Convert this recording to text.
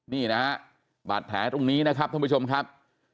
นี่นะฮะบาดแผลตรงนี้นะครับท่านผู้ชมครับ